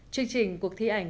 chương trình cuộc thi ảnh